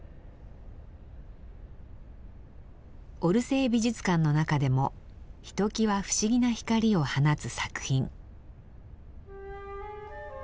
オルセー美術館の中でもひときわ不思議な光を放つ作品。